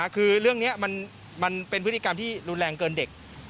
คือเรื่องนี้มันเป็นพฤติกรรมที่รุนแรงเกินเด็ก